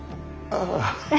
ああ。